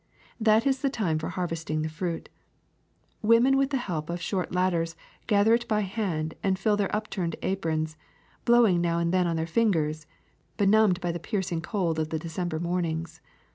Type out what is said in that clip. That is the time for harvesting the fruit. Women with the help of short ladders gather it by hand and fill their upturned aprons, blowing now and then on their fingers, be numbed by the piercing cold of the December morn ings.